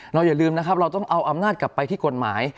อย่าลืมนะครับเราต้องเอาอำนาจกลับไปที่กฎหมาย